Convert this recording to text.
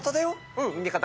うん味方。